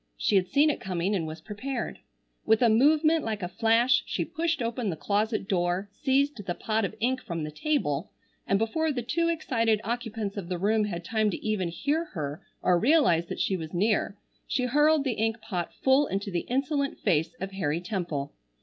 She had seen it coming and was prepared. With a movement like a flash she pushed open the closet door, seized the pot of ink from the table, and before the two excited occupants of the room had time to even hear her or realize that she was near, she hurled the ink pot full into the insolent face of Harry Temple.